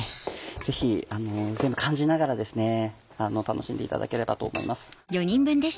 ぜひ感じながら楽しんでいただければと思います。